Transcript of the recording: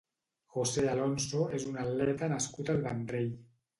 José Alonso és un atleta nascut al Vendrell.